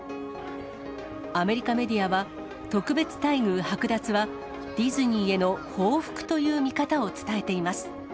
アメリカメディアは、特別待遇剥奪は、ディズニーへの報復との見方を伝えています。